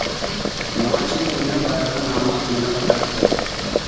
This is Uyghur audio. ناۋايچىلىق ھۈنىرى بارلىقىنى ئاڭلاپ يېنىغا تارتتى.